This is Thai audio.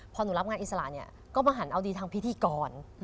พอหนูรับงานอิสระเนี่ยก็มาหันเอาดีทางพิธีกร